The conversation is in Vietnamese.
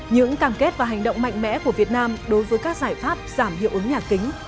những cam kết và hành động mạnh mẽ của việt nam đối với các giải pháp giảm hiệu ứng nhà kính